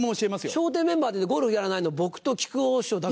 笑点メンバーでゴルフやらないの僕と木久扇師匠だけ。